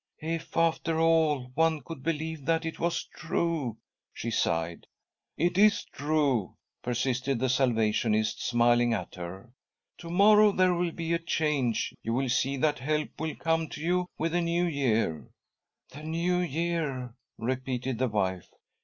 "If, after all, one could believe that . it was true I " she sighed. " It is true," persisted the Salvationist, smiling at her. " To morrow there will be a change. You will see that help will come to you with the New Year." " The New Year I " repeated the wife.